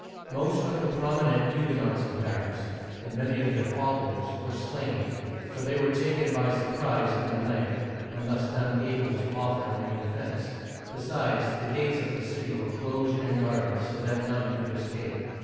Most of the prominent Hugue nots in Paris, and many of their followers, were slain, for they were taken by surprise in the night, and thus unable to offer any defense; besides, the gates of the city were closed and guarded so that none could escape.